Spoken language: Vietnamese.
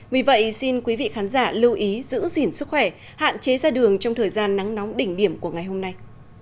vì vậy xin quý vị khán giả lưu ý giữ gìn sức khỏe hạn chế ra đường trong thời gian nắng nóng đỉnh điểm của ngày hôm nay